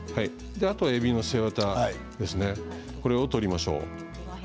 あとは、えびの背わたを取りましょう。